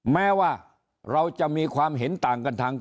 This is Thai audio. แม้ว่าเราจะมีความเห็นต่างกันทาง